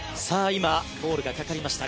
今、コールがかかりました。